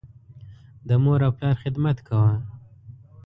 د مور او پلار خدمت کوه.